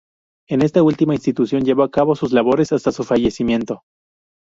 En esta última institución llevó a cabo sus labores hasta su fallecimiento.